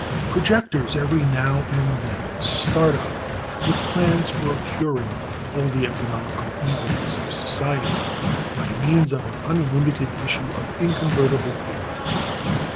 Projectors every now and then start up, with plans for curing all the economical evils of society by means of an unlimited issue of inconvertible paper.